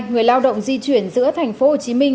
người lao động di chuyển giữa thành phố hồ chí minh